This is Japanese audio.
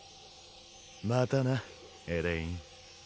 またなエレイン。